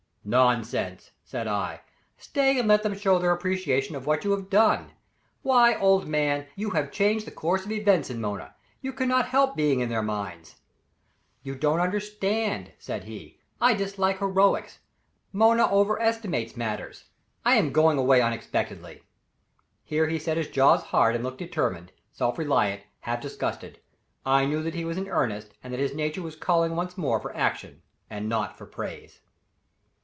"Nonsense," said I, "stay and let them show their appreciation of what you have done. Why, old man, you have changed the course of events in Mona you cannot help being in their minds." "You don't understand," said he. "I dislike heroics. Mona overestimates matters. I am going away unexpectedly." Here he set his jaws hard and looked determined, self reliant, half disgusted. I knew that he was in earnest and that his nature was calling once more for action and not for praise.